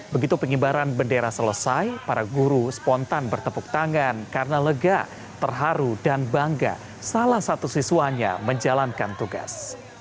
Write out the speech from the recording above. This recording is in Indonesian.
begitu pengibaran bendera selesai para guru spontan bertepuk tangan karena lega terharu dan bangga salah satu siswanya menjalankan tugas